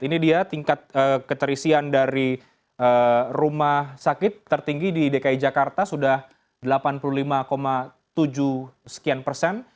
ini dia tingkat keterisian dari rumah sakit tertinggi di dki jakarta sudah delapan puluh lima tujuh sekian persen